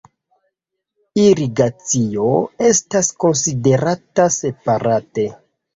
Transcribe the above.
Irigacio estas konsiderata separate.